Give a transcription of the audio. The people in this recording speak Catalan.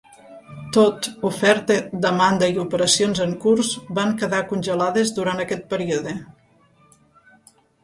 Tot, oferta, demanda i operacions en curs van quedar congelades durant aquest període.